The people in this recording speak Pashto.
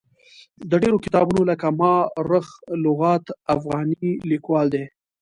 د ډېرو کتابونو لکه ما رخ لغات افغاني لیکوال دی.